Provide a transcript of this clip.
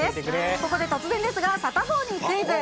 ここで突然ですが、サタボーにクイズ。